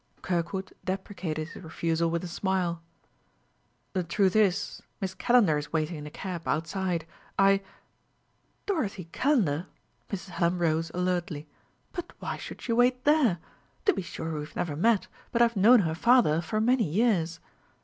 Kirkwood deprecated his refusal with a smile. "The truth is, Miss Calendar is waiting in a cab, outside. I " "Dorothy Calendar!" Mrs. Hallam rose alertly. "But why should she wait there? To be sure, we've never met; but I have known her father for many years."